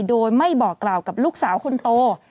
โดยไม่บอกกล่าวกับลูกสาวคนโต